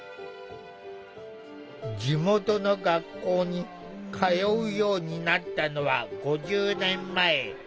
地元の学校に通うようになったのは５０年前。